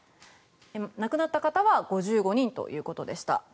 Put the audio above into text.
亡くなった方は５５人ということでした。